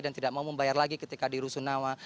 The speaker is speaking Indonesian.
tidak mau membayar lagi ketika di rusunawa